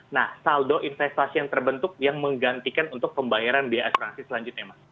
nah saldo investasi yang terbentuk yang menggantikan untuk pembayaran biaya asuransi selanjutnya mas